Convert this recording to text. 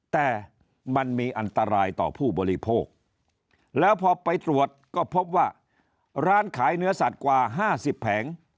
แต่มันมีอันตรายต่อผู้บริโภคแล้วพอไปตรวจก็พบว่าร้านขายเนื้อสัตว์กว่า๕๐แผง